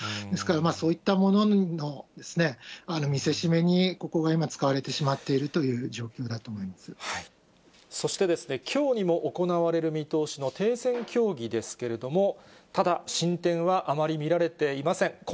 ですから、そういったものの見せしめにここが今使われてしまっているというそして、きょうにも行われる見通しの停戦協議ですけれども、ただ、進展はあまり見られていません。